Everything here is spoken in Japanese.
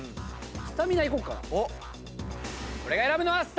スタミナいこうかな。